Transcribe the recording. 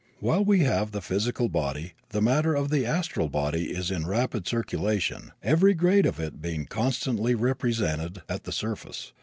While we have the physical body the matter of the astral body is in rapid circulation, every grade of it being constantly represented at the surface.